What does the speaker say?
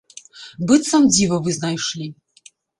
Быццам дзіва вы знайшлі.